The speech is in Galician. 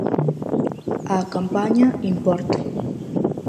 A campaña, importa.